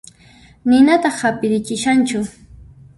Ninata hap'irichishasun